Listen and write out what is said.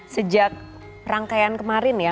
sejak rangkaian kemarin ya